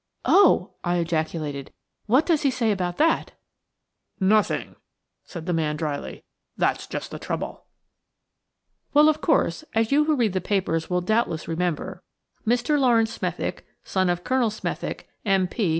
"Oh!" I ejaculated, "what does he say about that?" "Nothing," said the man dryly; "that's just the trouble." Well, of course, as you who read the papers will doubtless remember, Mr. Laurence Smethick, son of Colonel Smethick, M.P.